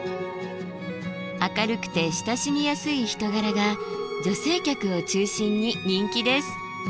明るくて親しみやすい人柄が女性客を中心に人気です。